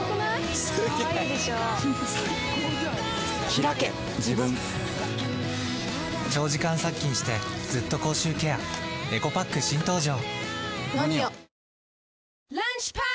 ひらけ自分長時間殺菌してずっと口臭ケアエコパック新登場！